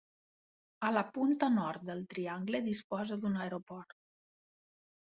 A la punta nord del triangle disposa d'un aeroport.